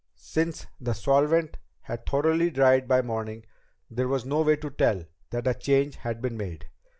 Since the solvent had thoroughly dried by morning, there was no way to tell that a change had been made.